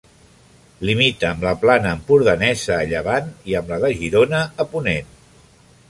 Limita amb la plana empordanesa, a llevant, i amb la de Girona, a ponent.